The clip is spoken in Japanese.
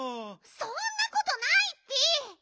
そんなことないッピ！